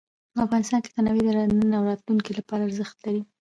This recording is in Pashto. افغانستان کې تنوع د نن او راتلونکي لپاره ارزښت لري.